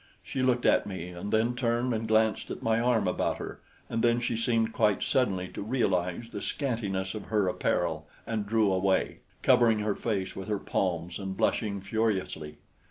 She looked at me and then turned and glanced at my arm about her, and then she seemed quite suddenly to realize the scantiness of her apparel and drew away, covering her face with her palms and blushing furiously.